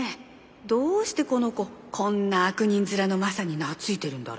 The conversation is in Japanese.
どうしてこの子こんな悪人面のマサに懐いてるんだろう。